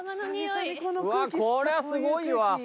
うわこりゃすごいわ。